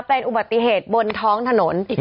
เป็นอุบัติเหตุบนท้องถนน